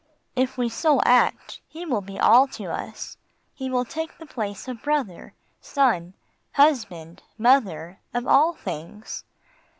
If we so act, He will be all to us, He will take the place of brother, son, husband, mother, of all things.